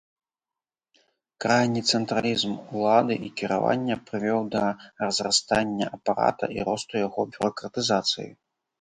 Крайні цэнтралізм улады і кіравання прывёў да разрастання апарата і росту яго бюракратызацыі.